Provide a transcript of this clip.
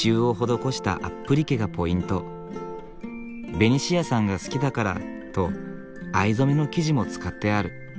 ベニシアさんが好きだからと藍染めの生地も使ってある。